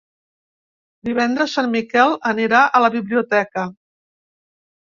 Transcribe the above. Divendres en Miquel anirà a la biblioteca.